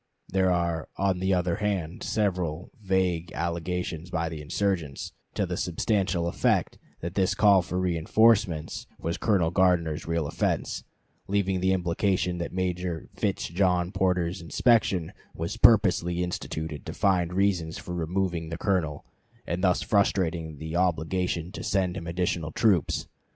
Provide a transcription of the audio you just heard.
There are, on the other hand, several vague allegations by the insurgents, to the substantial effect that this call for reënforcements was Colonel Gardner's real offense; leaving the implication that Major Fitz John Porter's inspection was purposely instituted to find reasons for removing the Colonel and thus frustrating the obligation to send him additional troops.